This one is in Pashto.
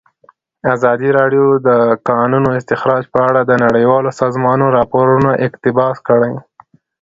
ازادي راډیو د د کانونو استخراج په اړه د نړیوالو سازمانونو راپورونه اقتباس کړي.